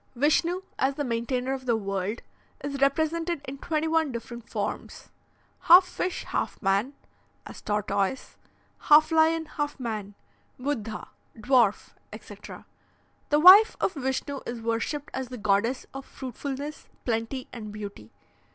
"Vishnu, as the maintainer of the world, is represented in twenty one different forms: Half fish half man, as tortoise, half lion half man, Buddha, dwarf, etc. The wife of Vishnu is worshipped as the goddess of fruitfulness, plenty, and beauty.